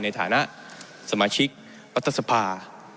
ในฐานะสมาชิกรัฐสภา